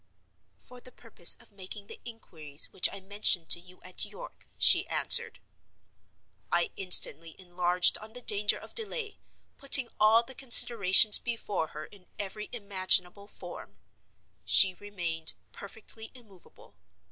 "For the purpose of making the inquiries which I mentioned to you at York," she answered. I instantly enlarged on the danger of delay, putting all the considerations before her in every imaginable form. She remained perfectly immovable.